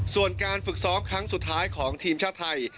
ส่วนการฝึกซ้อมครั้งสุดท้ายของทีมชาติไทย